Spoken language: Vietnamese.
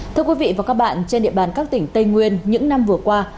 thưa quý vị và các bạn trên địa bàn các tỉnh tây nguyên những năm vừa qua